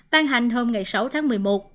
ban hành hôm sáu tháng một mươi một